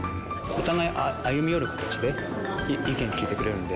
お互い歩み寄る形で意見を聞いてくれるので。